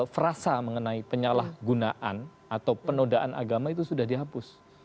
frasa mengenai penyalahgunaan atau penodaan agama itu sudah dihapus